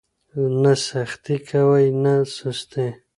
نه سختي کوئ نه سستي.